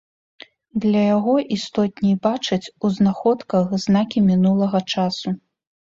Для яго істотней бачыць у знаходках знакі мінулага часу.